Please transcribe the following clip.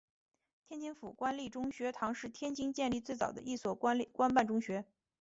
天津府官立中学堂是天津建立最早的一所官办中学。